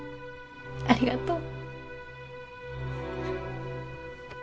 ありがとう。